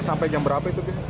sampai jam berapa itu